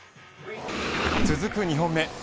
続く２本目。